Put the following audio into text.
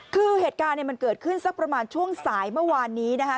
คือเหตุการณ์มันเกิดขึ้นสักประมาณช่วงสายเมื่อวานนี้นะคะ